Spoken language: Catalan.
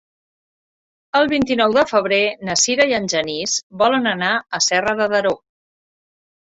El vint-i-nou de febrer na Sira i en Genís volen anar a Serra de Daró.